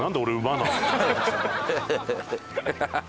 ハハハハ！